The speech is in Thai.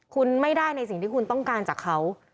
คุณไม่ได้ในสิ่งที่คุณต้องการจากเขา